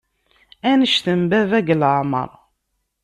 Annect n baba deg leεmer.